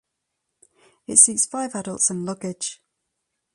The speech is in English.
It seats five adults and luggage.